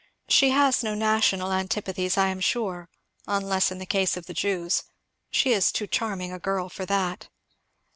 "She has no national antipathies, I am sure, unless in the case of the Jews, she is too charming a girl for that."